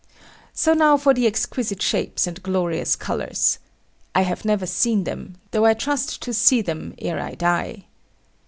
So now for the exquisite shapes and glorious colours. I have never seen them; though I trust to see them ere I die.